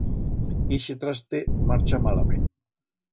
Ixe traste marcha malament